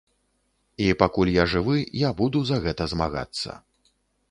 І пакуль я жывы, я буду за гэта змагацца.